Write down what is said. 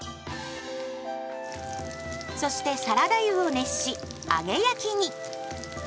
そしてサラダ油を熱し揚げ焼きに。